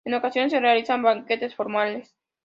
En ocasiones se realizan banquetes formales.